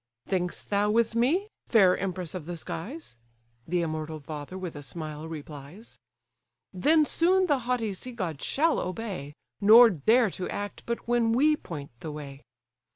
"Think'st thou with me? fair empress of the skies! (The immortal father with a smile replies;) Then soon the haughty sea god shall obey, Nor dare to act but when we point the way.